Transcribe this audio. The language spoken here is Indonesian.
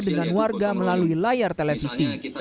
dengan warga melalui layar televisi